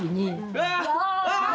うわ！